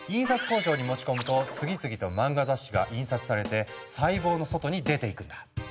工場に持ち込むと次々と漫画雑誌が印刷されて細胞の外に出ていくんだ。